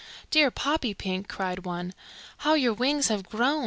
"Dear Poppypink," cried one, "how your wings have grown!